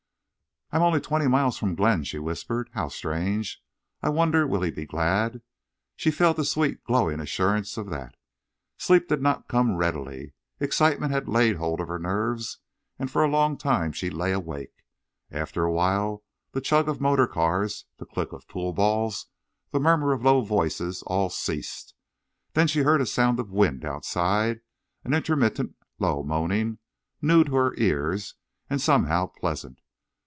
"I'm only twenty miles from Glenn," she whispered. "How strange! I wonder will he be glad." She felt a sweet, glowing assurance of that. Sleep did not come readily. Excitement had laid hold of her nerves, and for a long time she lay awake. After a while the chug of motor cars, the click of pool balls, the murmur of low voices all ceased. Then she heard a sound of wind outside, an intermittent, low moaning, new to her ears, and somehow pleasant.